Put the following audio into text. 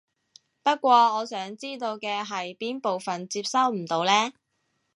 不過我想知道嘅係邊部分接收唔到呢？